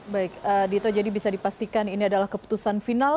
baik dito jadi bisa dipastikan ini adalah keputusan final